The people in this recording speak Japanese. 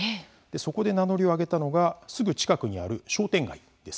そこで名乗りを上げたのがすぐ近くにある商店街です。